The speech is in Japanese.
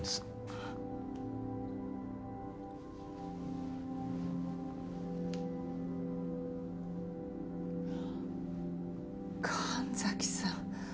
あっ神崎さん